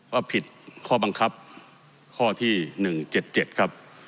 ว่าผิดข้อบังคับข้อที่หนึ่งเจ็ดเจ็ดครับ